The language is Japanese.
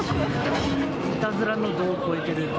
いたずらの度を超えている。